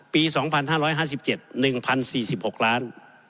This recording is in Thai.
ปี๒๕๕๗๑๐๔๖ล้าน